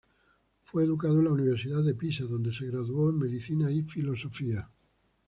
Fue educado en la Universidad de Pisa, donde se graduó en Medicina y Filosofía.